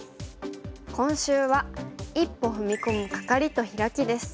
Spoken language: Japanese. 今週は「一歩踏み込むカカリとヒラキ」です。